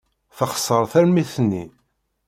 Texṣer tarmit-nni.